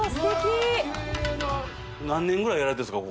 何年ぐらいやられてるんですか？